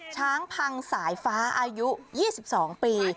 ช้างพังสายฟ้าอายุ๒๒ปี